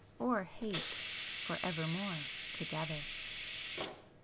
or hate ... for evermore together!